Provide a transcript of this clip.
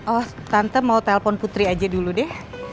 oh tante mau telpon putri aja dulu deh